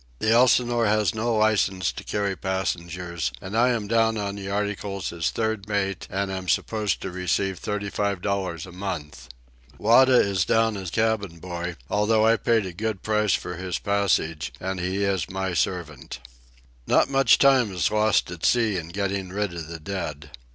The Elsinore has no licence to carry passengers, and I am down on the articles as third mate and am supposed to receive thirty five dollars a month. Wada is down as cabin boy, although I paid a good price for his passage and he is my servant. Not much time is lost at sea in getting rid of the dead.